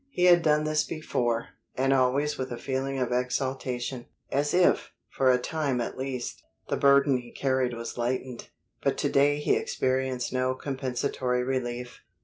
He had done this before, and always with a feeling of exaltation, as if, for a time at least, the burden he carried was lightened. But to day he experienced no compensatory relief.